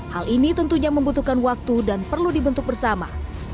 hal ini tentunya membutuhkan waktu dan perlu dibentuk bersama